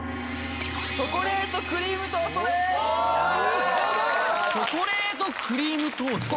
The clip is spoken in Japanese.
チョコレートクリームトースト？